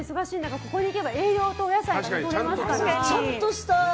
ここに行けば栄養とお野菜がとれますからね。